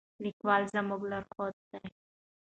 لیکوال زموږ لارښود دی.